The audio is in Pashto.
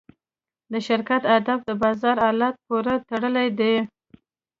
د شرکت اهداف د بازار حالت پورې تړلي دي.